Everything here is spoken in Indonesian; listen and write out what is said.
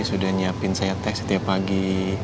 sudah nyiapin saya tes setiap pagi